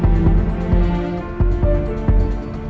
mungkin sama ada bapak yang dateng nih